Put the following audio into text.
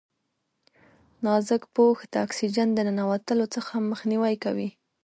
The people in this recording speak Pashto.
نازک پوښ د اکسیجن د ننوتلو څخه مخنیوی کوي.